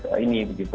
nah ini begitu